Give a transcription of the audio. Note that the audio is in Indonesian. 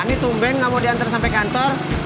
ani tumben ga mau diantar sampe kantor